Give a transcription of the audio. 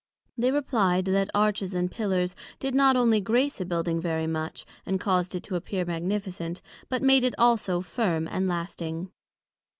They replied, That Arches and Pillars, did not onely grace a Building very much, and caused it to appear Magnificent, but made it also firm and lasting.